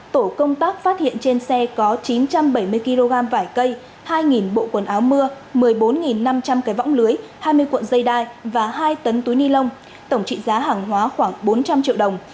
tổ công tác phát hiện trên xe có chín trăm bảy mươi kg vải cây hai bộ quần áo mưa một mươi bốn năm trăm linh cái võng lưới hai mươi cuộn dây đai và hai tấn túi ni lông tổng trị giá hàng hóa khoảng bốn trăm linh triệu đồng